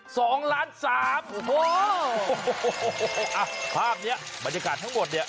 สองล้านสามโอ้โหอ่ะภาพเนี้ยบรรยากาศทั้งหมดเนี่ย